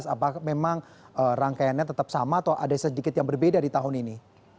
apakah memang rangkaiannya tetap sama atau ada sedikit yang berbeda di tahun ini